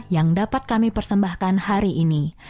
yang dapat kami persembahkan hari ini